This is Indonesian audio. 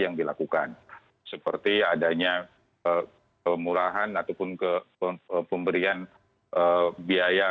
yang dilakukan seperti adanya kemurahan ataupun pemberian biaya